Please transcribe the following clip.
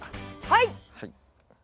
はい。